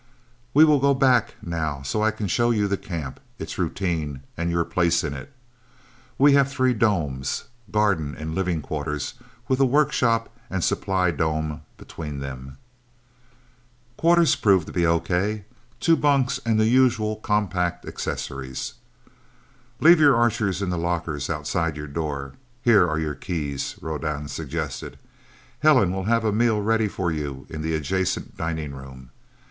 "We will go back, now, so I can show you the camp, its routine, and your place in it. We have three domes garden and living quarters, with a workshop and supply dome between them..." Quarters proved to be okay two bunks and the usual compact accessories. "Leave your Archers in the lockers outside your door here are your keys," Rodan suggested. "Helen will have a meal ready for you in the adjacent dining room.